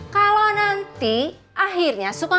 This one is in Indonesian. kalau nanti akhirnya suka ngapain